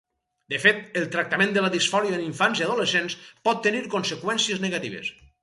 De fet, el tractament de la disfòria en infants i adolescents pot tenir conseqüències negatives.